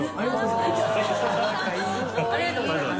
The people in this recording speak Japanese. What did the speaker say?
ありがとうございます。